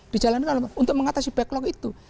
dijalankan untuk mengatasi backlog itu